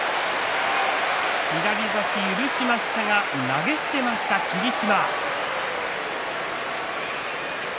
左差し許しましたが投げ捨てました、霧島。